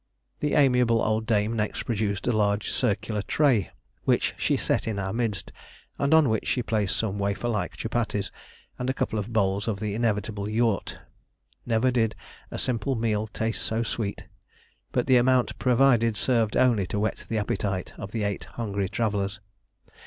The amiable old dame next produced a large circular tray, which she set in our midst, and on which she placed some wafer like chupatties and a couple of bowls of the inevitable "yourt." Never did simple meal taste so sweet, but the amount provided served only to whet the appetite of the eight hungry travellers.